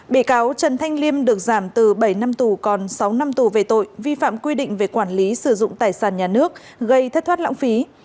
bị cáo trần thanh liêm được giảm từ bảy năm tù còn sáu năm tù về tội vi phạm quy định về quản lý sử dụng tài sản nhà nước gây thất thoát lãng phí